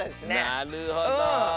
なるほど！